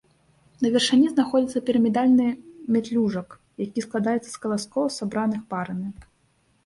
На вяршыні знаходзіцца пірамідальны метлюжок, які складаецца з каласкоў, сабраных парамі.